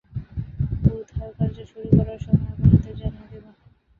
উদ্ধারকার্য শুরু করার সময় আপনাদের জানিয়ে দেবো।